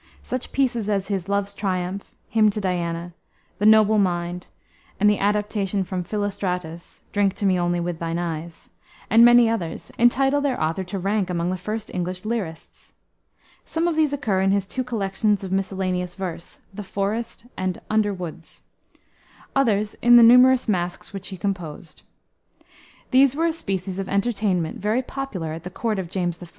Such pieces as his Love's Triumph, Hymn to Diana, The Noble Mind, and the adaptation from Philostratus, "Drink to me only with thine eyes," and many others entitle their author to rank among the first English lyrists. Some of these occur in his two collections of miscellaneous verse, the Forest and Underwoods; others in the numerous masques which he composed. These were a species of entertainment, very popular at the court of James I.